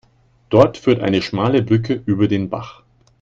Dort führt eine schmale Brücke über den Bach.